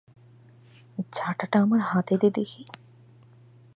ঝাঁটাটা আমার হাতে দে দেখি।